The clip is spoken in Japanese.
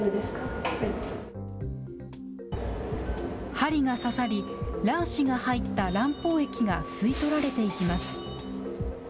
針が刺さり、卵子が入った卵胞液が吸い取られていきます。